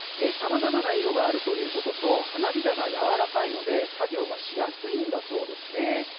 さまざまな色があるということと花びらがやわらかいので作業がしやすいそうです。